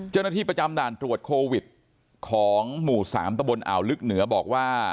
เจ้าหน้าที่ประจำด่านตรวจโควิดของหมู่๓ตะบนอ่าวลึกเหนือบอกว่า